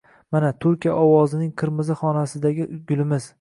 Mana, Turkiya ovozining qirmizi xonasidagi gulimiz!